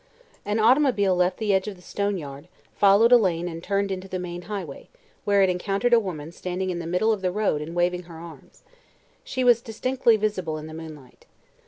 An automobile left the edge of the stone yard, followed a lane and turned into the main highway, where it encountered a woman standing in the middle of the road and waving her arms. She was distinctly visible in the moonlight.